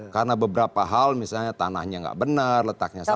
karena beberapa hal misalnya tanahnya enggak benar letaknya salah